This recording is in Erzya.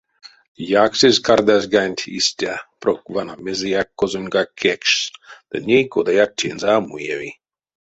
Яксесь кардазганть истя, прок вана мезеяк козоньгак кекшсь ды ней кодаяк тензэ а муеви.